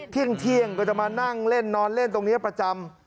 เที่ยงก็จะมานั่งเล่นนอนเล่นตรงนี้ประจำ